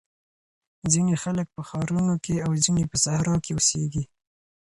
ځینې خلګ په ښارونو کي او ځینې په صحرا کي اوسېږي.